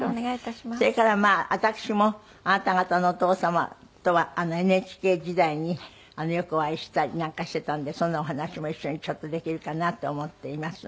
それからまあ私もあなた方のお父様とはＮＨＫ時代によくお会いしたりなんかしていたんでそんなお話も一緒にちょっとできるかなと思っています。